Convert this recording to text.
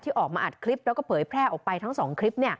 ออกมาอัดคลิปแล้วก็เผยแพร่ออกไปทั้ง๒คลิป